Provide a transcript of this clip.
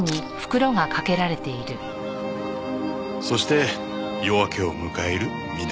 そして夜明けを迎える港。